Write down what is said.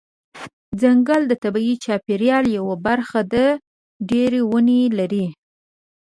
ځنګل د طبیعي چاپیریال یوه برخه ده چې ډیری ونه لري.